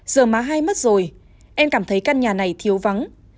giờ má hai mất rồi em cảm thấy căn nhà này thiếu vắng